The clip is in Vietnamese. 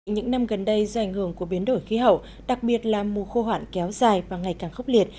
những năm gần đây do ảnh hưởng của biến đổi khí hậu đặc biệt là mùa khô hoạn kéo dài và ngày càng khốc liệt